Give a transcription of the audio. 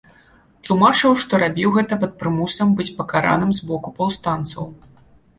Тлумачыў, што рабіў гэта пад прымусам быць пакараным з боку паўстанцаў.